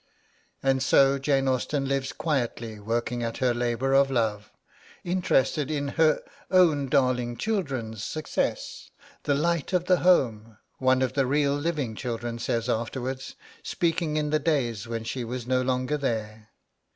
"' And so Jane Austen lives quietly working at her labour of love, interested in her 'own darling children's' success; 'the light of the home,' one of the real living children says afterwards, speaking in the days when she was no longer there.